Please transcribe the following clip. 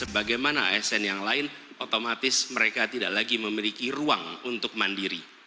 bagaimana kalau di bpsn yang lain otomatis mereka tidak lagi memiliki ruang untuk mandiri